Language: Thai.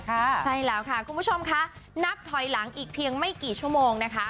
ใช่แล้วค่ะคุณผู้ชมค่ะนับถอยหลังอีกเพียงไม่กี่ชั่วโมงนะคะ